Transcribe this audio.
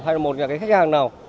hay là một nhà khách hàng nào